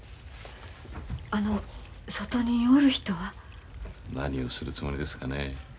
あの外におる人は？何をするつもりですかねえ。